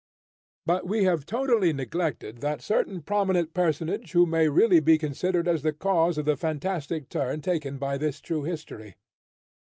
But we have totally neglected that certain prominent personage who may really be considered as the cause of the fantastic turn taken by this true history.